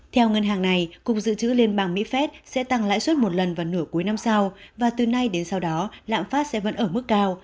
theo ngân hàng này cục dự trữ liên bang mỹ phép sẽ tăng lãi suất một lần vào nửa cuối năm sau và từ nay đến sau đó lạm phát sẽ vẫn ở mức cao